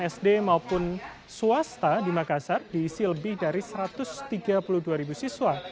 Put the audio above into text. lima ratus tiga puluh delapan sd maupun swasta di makassar diisi lebih dari satu ratus tiga puluh dua ribu siswa